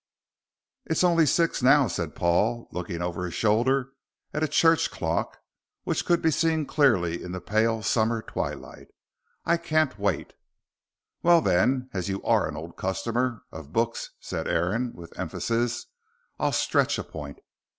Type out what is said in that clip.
"It's only six now," said Paul, looking over his shoulder at a church clock which could be seen clearly in the pale summer twilight. "I can't wait." "Well, then, as you are an old customer of books," said Aaron, with emphasis, "I'll stretch a point.